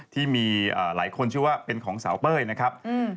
ที่มีหลายคนชื่อว่าเป็นของสาวเป้ยนะครับ